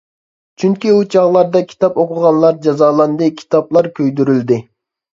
چۈنكى، ئۇ چاغلاردا كىتاب ئوقۇغانلار جازالاندى، كىتابلار كۆيدۈرۈلدى.